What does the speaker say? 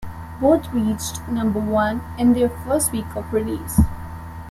Both reached number one in their first week of release.